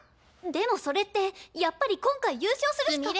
でもそれってやっぱり今回優勝するしか！